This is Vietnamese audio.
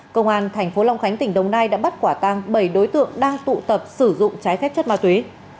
công an tp long khánh tỉnh đồng nai đã bắt quả tăng bảy đối tượng đang tụ tập sử dụng trái phép chất ma túy